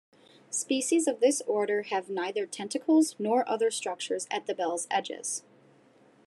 Species of this order have neither tentacles nor other structures at the bell's edges.